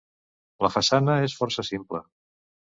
La façana és força simple.